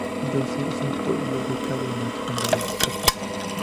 Joseph es un pueblo ubicado en el condado de St.